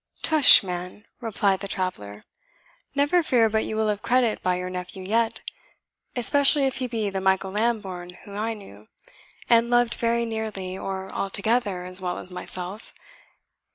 "Tush, man," replied the traveller, "never fear but you will have credit by your nephew yet, especially if he be the Michael Lambourne whom I knew, and loved very nearly, or altogether, as well as myself.